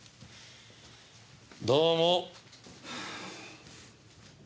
どうも。